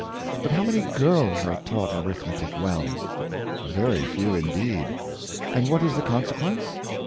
But how many girls are taught arithmetic well? — Very few indeed. And what is the conse quence?